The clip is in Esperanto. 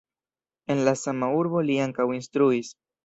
En La sama urbo li ankaŭ instruis.